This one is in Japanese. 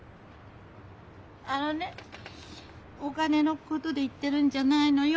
あのねお金のことで言ってるんじゃないのよ。